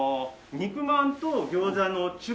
肉まんと餃子の中間。